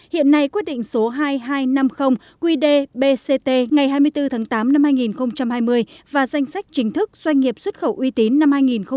hiện nay quyết định số hai nghìn hai trăm năm mươi qd bct ngày hai mươi bốn tháng tám năm hai nghìn hai mươi và danh sách chính thức doanh nghiệp xuất khẩu uy tín năm hai nghìn hai mươi